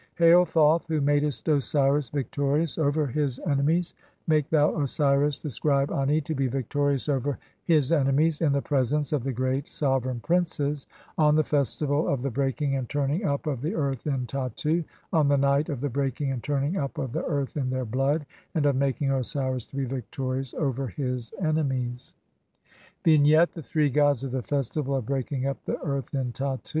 "Hail, (3) Thoth, who madest Osiris victorious over his ene "mies, make thou Osiris, the scribe Ani, to be victorious over "his enemies in the presence of the great (4) sovereign princes, "on the festival of the breaking and turning up of the earth in "Tattu, on the night of the breaking and turning up of the "earth in their blood, and of making Osiris to be victorious "over his enemies." H. Vignette : The three gods of the festival of breaking up the earth in Tattu.